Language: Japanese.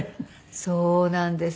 そうなんです。